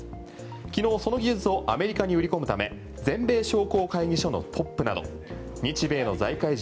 昨日その技術をアメリカに売り込むため全米商工会議所のトップなど日米の財界人